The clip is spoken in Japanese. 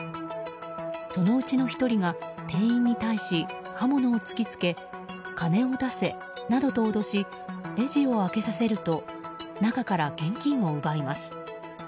そのうちの１人が店員に対し、刃物を突き付け金を出せなどと脅しレジを開けさせると中から現金を奪います。